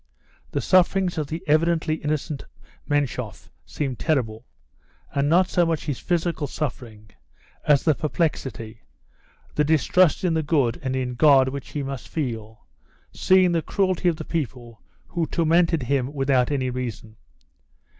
The sufferings of the evidently innocent Menshoff seemed terrible, and not so much his physical suffering as the perplexity, the distrust in the good and in God which he must feel, seeing the cruelty of the people who tormented him without any reason.